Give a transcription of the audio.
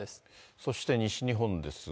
そして西日本ですが。